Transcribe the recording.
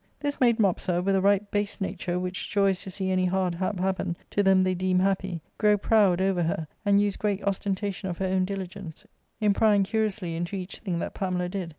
This made Mopsa, with a right base nature which joys to see any hard hap happen to them they deem happy, grow proud over her, and use great ostentation of her own diligence in prying curiously into each thing that Pamela did.